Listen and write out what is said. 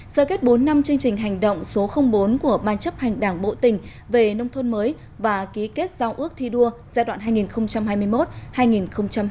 sơ kết bốn năm chương trình hành động số bốn của ban chấp hành đảng bộ tỉnh về nông thôn mới và ký kết giao ước thi đua giai đoạn hai nghìn hai mươi một hai nghìn hai mươi năm